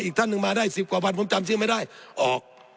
อีกท่านหนึ่งมาได้๑๐กว่าวันผมจำชื่อไม่ได้ออก